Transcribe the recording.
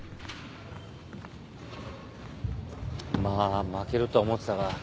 まあ負けるとは思ってたが。